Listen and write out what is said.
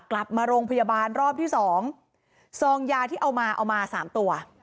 กลับมาโรงพยาบาลรอบที่สองซองยาที่เอามาเอามาสามตัว